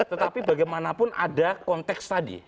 tetapi bagaimanapun ada konteks tadi